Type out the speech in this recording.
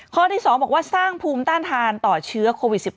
ข้อที่๒บอกว่าสร้างภูมิต้านทานต่อเชื้อโควิด๑๙